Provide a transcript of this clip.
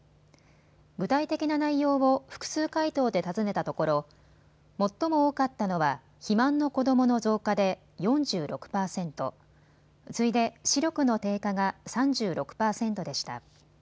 具体的な内容を複数回答で尋ねたところ最も多かったのは肥満の子どもの増加で４６％、次いで視力の低下が３６％でした。